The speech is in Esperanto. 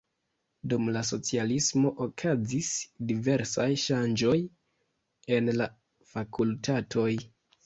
Dum la socialismo okazis diversaj ŝanĝoj en la fakultatoj.